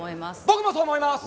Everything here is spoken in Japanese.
僕もそう思います！